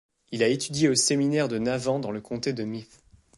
Il a étudié au séminaire de Navan dans le comté de Meath.